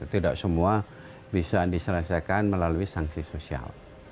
tidak semua bisa diselesaikan melalui sanksi sosial